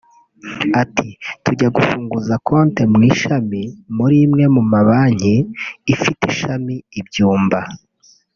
Ati “Tujya gufunguza konti mu ishami muri imwe mu mabanki ifite ishami i Byumba